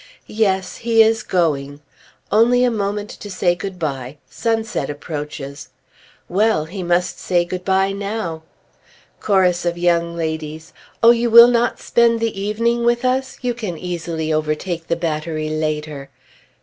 Yes! he is going! Only a moment to say good bye ... sunset approaches. Well! he must say good bye now! Chorus of young ladies: "Oh, will you not spend the evening with us? You can easily overtake the battery later."